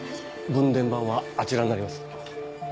分電盤はあちらになります。